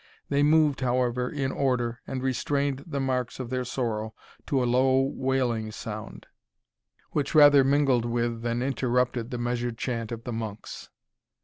They moved, however, in order, and restrained the marks of their sorrow to a low wailing sound, which rather mingled with than interrupted the measured chant of the monks.